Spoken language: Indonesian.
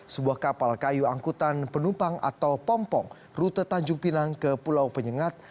sebuah kapal kayu angkutan penumpang atau pompong rute tanjung pinang ke pulau penyengat